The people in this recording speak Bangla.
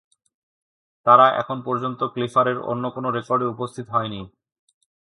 তারা এখন পর্যন্ত ফ্লিকারের অন্য কোন রেকর্ডে উপস্থিত হয়নি।